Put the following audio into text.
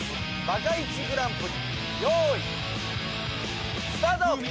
バカ−１グランプリ用意スタート。